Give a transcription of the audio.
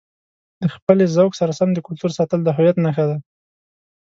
د خپلې ذوق سره سم د کلتور ساتل د هویت نښه ده.